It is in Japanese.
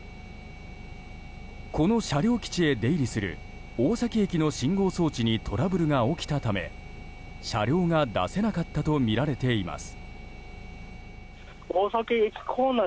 この車両基地へ出入りする大崎駅の信号装置にトラブルが起きたため車両が出せなかったとみられています。